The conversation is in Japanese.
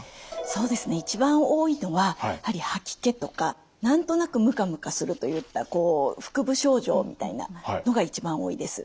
そうですね一番多いのはやはり吐き気とか何となくむかむかするといった腹部症状みたいなのが一番多いです。